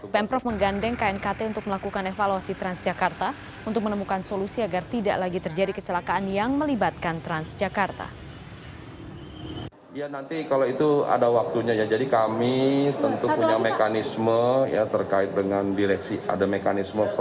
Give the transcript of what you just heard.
pemprov menggandeng knkt untuk melakukan evaluasi transjakarta untuk menemukan solusi agar tidak lagi terjadi kecelakaan yang melibatkan transjakarta